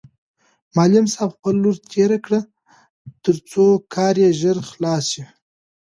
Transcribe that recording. معلم صاحب خپل لور تېره کړ ترڅو کار یې ژر خلاص شي.